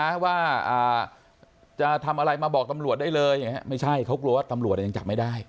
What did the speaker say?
ว่าอ่าจะทำอะไรมาบอกตำรวจได้เลยอย่างเงี้ไม่ใช่เขากลัวว่าตำรวจอ่ะยังจับไม่ได้